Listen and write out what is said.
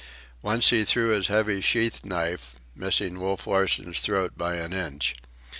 Once he threw his heavy sheath knife, missing Wolf Larsen's throat by an inch.